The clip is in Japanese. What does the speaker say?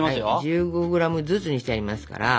１５ｇずつにしてありますから。